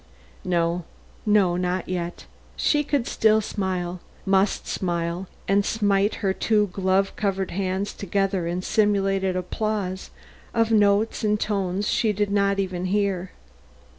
No, no, not yet. She could still smile, must smile and smite her two glove covered hands together in simulated applause of notes and tones she did not even hear.